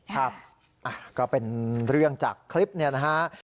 ครับก็เป็นเรื่องจากคลิปเนี่ยนะฮะ